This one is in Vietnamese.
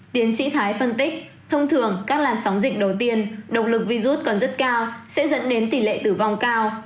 tiến sĩ thái phân tích thông thường các làn sóng dịch đầu tiên động lực virus còn rất cao sẽ dẫn đến tỷ lệ tử vong cao